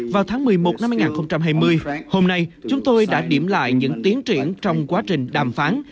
vào tháng một mươi một năm hai nghìn hai mươi hôm nay chúng tôi đã điểm lại những tiến triển trong quá trình đàm phán